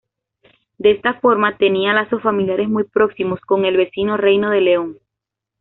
De esta forma tenía lazos familiares muy próximos con el vecino reino de León.